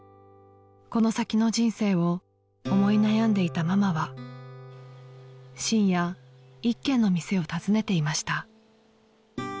［この先の人生を思い悩んでいたママは深夜一軒の店を訪ねていました］